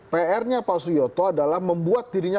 pr nya pak suyoto adalah membuat dirinya